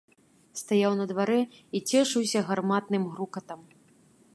Стаяў на дварэ і цешыўся гарматным грукатам.